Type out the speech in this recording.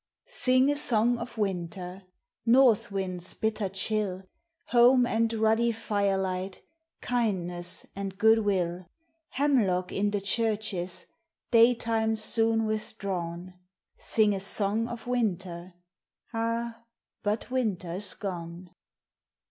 Sing a song of Winter! North wind's bitter chill, Home and ruddy firelight, Kindness and good will, Hemlock in the churches, Daytime soon withdrawn; Sing a song of Winter, — Ah, but Winter's gone!